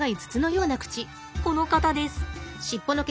この方です。